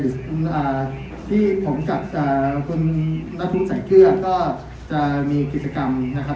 หรืออ่าที่ผมกับอ่าคุณนัทพุทธใส่เกื้อก็จะมีกิจกรรมนะครับ